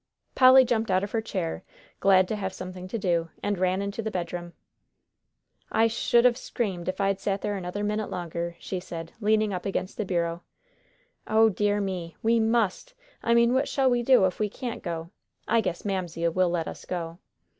Polly jumped out of her chair, glad to have something to do, and ran into the bedroom. "I sh'd have screamed if I'd sat there another minute longer," she said, leaning up against the bureau. "O dear me! We must I mean, what shall we do if we can't go? I guess Mamsie will let us go."